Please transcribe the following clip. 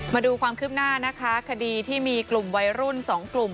มาดูความคืบหน้านะคะคดีที่มีกลุ่มวัยรุ่น๒กลุ่ม